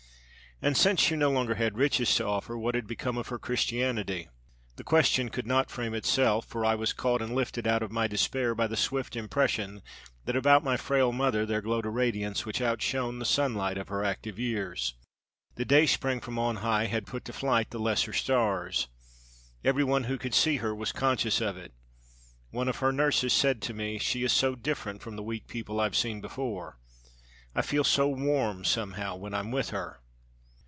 And since she no longer had riches to offer, what had become of her Christianity? The question could not frame itself, for I was caught and lifted out of my despair by the swift impression that about my frail mother there glowed a radiance which outshone the sunlight of her active years. The dayspring from on high had but put to flight the lesser stars. Every one who could see her was conscious of it. One of her nurses said to me, 'She is so different from the weak people I've seen before. I feel so warm, somehow, when I'm with her.'